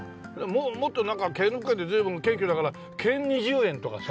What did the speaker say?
もっとなんか兼六園って随分謙虚だから兼二十園とかさ。